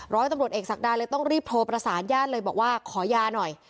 ร้อยตำรวจเอกศักดาเลยต้องรีบโทรประสานญาติเลยบอกว่าขอยาหน่อย